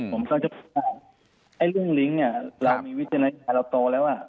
ผมเซาจะบอกเลยบ่อยไว้ไอเรื่องลิ้งเนี้ยเรามีวิจารณญาณเราโตแล้วอ่ะ